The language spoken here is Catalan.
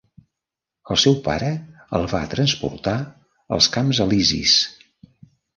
El seu pare el va transportar als Camps Elisis.